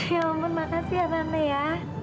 ya ampun makasih ya rame ya